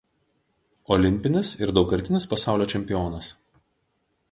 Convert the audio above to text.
Olimpinis ir daugkartinis pasaulio čempionas.